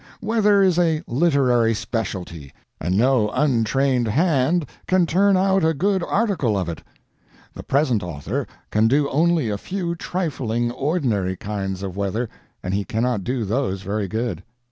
Weather is a literary specialty, and no untrained hand can turn out a good article of it. The present author can do only a few trifling ordinary kinds of weather, and he cannot do those very good.